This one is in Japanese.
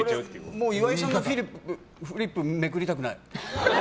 俺もう、岩井さんのフリップめくりたくない。